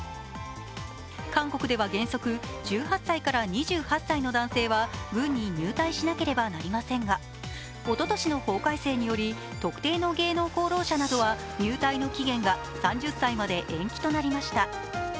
韓国では原則、１８歳から２８歳の男性は軍に入隊しなければなりませんが、おととしの法改正により、特定の芸能功労者などは入隊の期限が３０歳まで延期となりました。